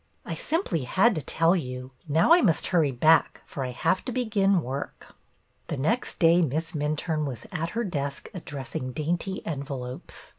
'' I simply had to tell you. Now I must hurry back, for I have to begin work." The next day Miss Minturne was at her desk addressing dainty envelopes.